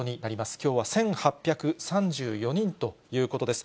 きょうは１８３４人ということです。